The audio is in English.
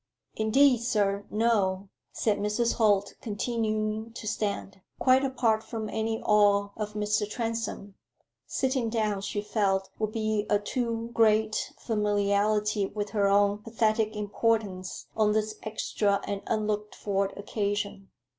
"Indeed, sir, no," said Mrs. Holt, continuing to stand. Quite apart from any awe of Mr. Transome sitting down, she felt, would be a too great familiarity with her own pathetic importance on this extra and unlooked for occasion.